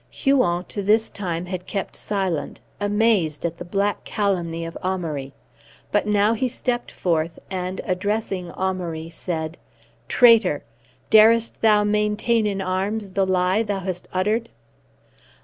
Huon to this time had kept silent, amazed at the black calumny of Amaury; but now he stepped forth, and, addressing Amaury, said: "Traitor! darest thou maintain in arms the lie thou hast uttered?"